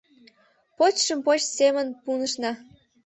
Почшым поч семын пунышна.